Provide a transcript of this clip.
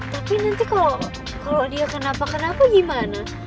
tapi nanti kalau dia kenapa kenapa gimana